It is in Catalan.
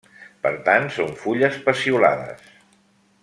Per tant, són fulles peciolades.